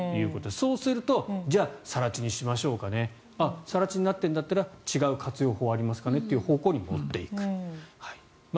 そうするとじゃあ、更地にしましょうかね更地になってるんだったら違う活用法ありますかねという方向に持っていく。